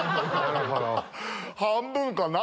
半分かな？